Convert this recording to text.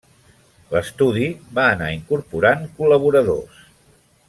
L’estudi va anar incorporant col·laboradors.